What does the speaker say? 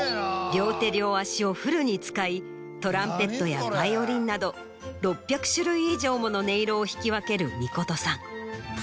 両手両足をフルに使いトランペットやバイオリンなど６００種類以上もの音色を弾き分ける美琴さん。